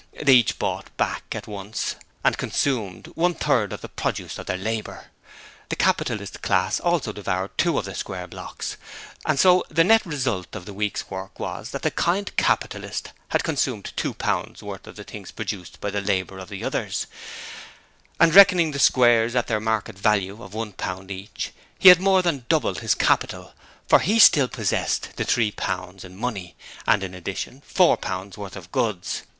They each bought back and at once consumed one third of the produce of their labour. The capitalist class also devoured two of the square blocks, and so the net result of the week's work was that the kind capitalist had consumed two pounds worth of the things produced by the labour of the others, and reckoning the squares at their market value of one pound each, he had more than doubled his capital, for he still possessed the three pounds in money and in addition four pounds worth of goods.